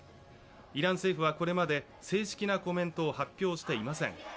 イラン政府はこれまで正式なコメントを発表していません。